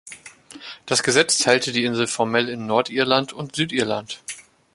Das Gesetz teilte die Insel formell in Nordirland und "Südirland".